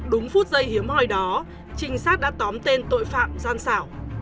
đúng phút giây hiếm hồi đó trinh sát đã tóm tên tội phạm gian xạo